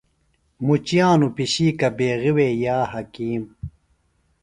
مُچِیانوۡ پِشیکہ بیغیۡ وے یا حکیم۔